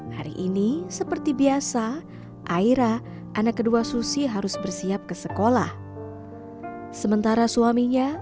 hari ini seperti biasa aira anak kedua susi harus bersiap ke sekolah sementara suaminya